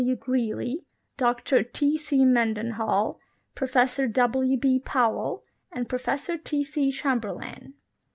W. Greely, Dr T. C. Mendenhall, Professor W. B. Powell, and Professor T. C. Chamberlin.